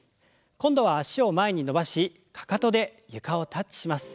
今度は脚を前に伸ばしかかとで床をタッチします。